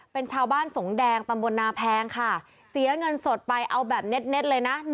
เป็นชาวบ้านสงแดงตำบลนาแพงค่ะเสียเงินสดไปเอาแบบเน็ตเลยนะ